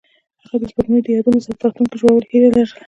هغوی د سپوږمۍ له یادونو سره راتلونکی جوړولو هیله لرله.